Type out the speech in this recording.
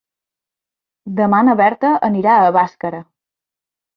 Demà na Berta anirà a Bàscara.